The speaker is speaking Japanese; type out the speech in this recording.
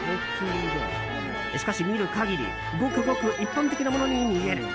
しかし、見る限りごくごく一般的なものに見える。